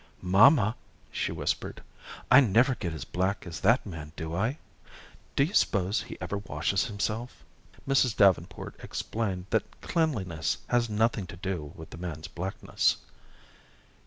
"Mamma," she whispered, "I never get as black as that man, do I? Do you s'pose he ever washes himself?" Mrs. Davenport explained that cleanliness had nothing to do with the man's blackness.